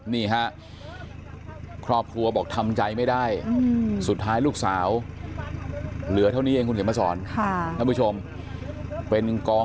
สิบเก้านาฬิกาที่ผ่านมานะครับที่บ้านของน้องปอนะครับทุกผู้ชมครับ